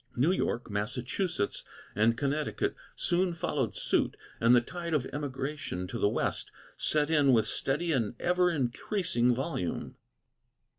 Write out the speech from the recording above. New York, Massachusetts, and Connecticut soon followed suit, and the tide of emigration to the West set in with steady and ever increasing volume.